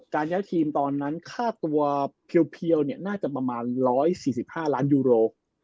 ย้ายทีมตอนนั้นค่าตัวเพียวน่าจะประมาณ๑๔๕ล้านยูโร